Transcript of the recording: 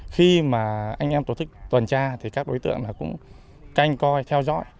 khi mà anh em tổ chức tuần tra thì các đối tượng cũng canh coi theo dõi